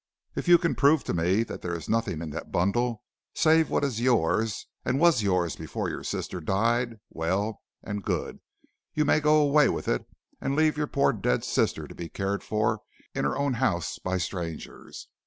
If you can prove to me that there is nothing in that bundle save what is yours and was yours before your sister died, well and good, you may go away with it and leave your poor dead sister to be cared for in her own house by strangers.